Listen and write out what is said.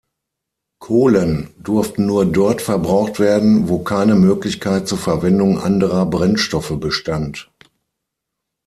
Kohlen durften nur dort verbraucht werden, wo keine Möglichkeit zur Verwendung anderer Brennstoffe bestand.